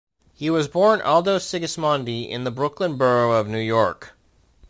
He was born Aldo Sigismondi in the Brooklyn borough of New York.